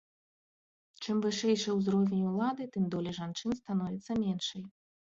Чым вышэйшы ўзровень улады, тым доля жанчын становіцца меншай.